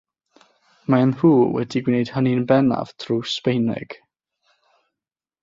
Maen nhw wedi gwneud hynny'n bennaf trwy Sbaeneg.